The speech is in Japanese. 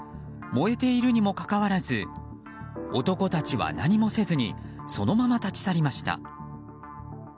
燃えているにもかかわらず男たちは何もせずにそのまま立ち去りました。